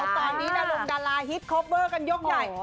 ตอนนี้นักลงดาราฮีสคอบเบอร์กันยกใหญ่